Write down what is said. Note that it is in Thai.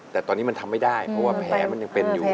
แต่ตอนนี้มันทำไม่ได้เพราะว่าแผลมันยังเป็นอยู่